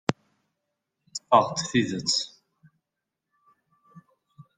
Teffeɣ-d d tidet.